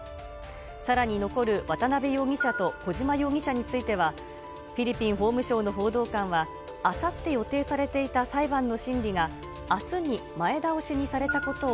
さらに残る渡辺容疑者と小島容疑者については、フィリピン法務省の報道官は、あさって予定されていた裁判の審理があすに前倒しにされたことを